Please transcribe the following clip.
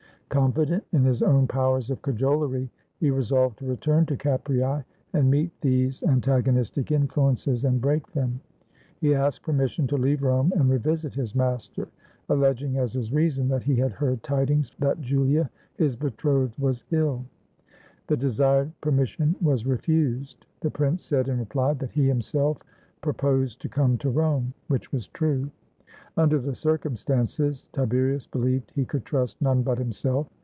Confi dent in his own powers of cajolery, he resolved to return to Capreae and meet these antagonistic influences and break them. He asked permission to leave Rome and revisit his master, alleging as his reason that he had heard tidings that Julia, his betrothed, was ill. The desired permission was refused; the Prince said in reply that he himself proposed to come to Rome; which was true. Under the circumstances, Tiberius be lieved he could trust none but himself.